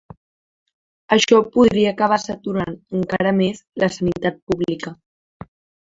Això podria acabar saturant encara més la sanitat pública.